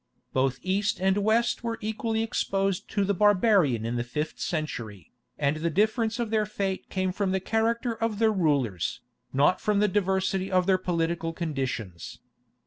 Both East and West were equally exposed to the barbarian in the fifth century, and the difference of their fate came from the character of their rulers, not from the diversity of their political conditions.